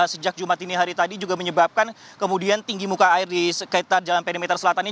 sejak jumat ini hari tadi juga menyebabkan kemudian tinggi muka air di sekitar jalan perimeter selatan ini